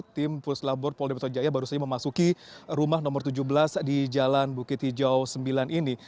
tim puslabor polda metro jaya baru saja memasuki rumah nomor tujuh belas di jalan bukit hijau sembilan ini